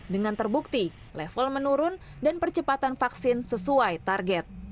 dengan terbukti level menurun dan percepatan vaksin sesuai target